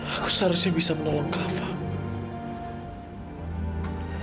aku seharusnya bisa menolong kak fadil